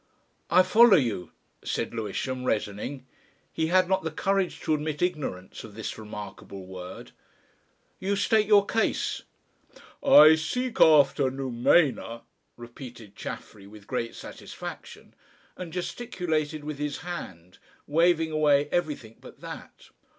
"I follow you," said Lewisham, reddening. He had not the courage to admit ignorance of this remarkable word. "You state your case." "I seek after noumena," repeated Chaffery with great satisfaction, and gesticulated with his hand, waving away everything but that.